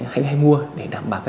hãy mua để đảm bảo